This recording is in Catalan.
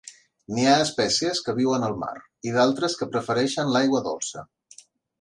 N'hi ha espècies que viuen al mar i d'altres que prefereixen l'aigua dolça.